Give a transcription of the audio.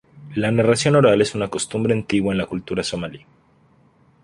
La narración oral es una costumbre antigua en la cultura somalí.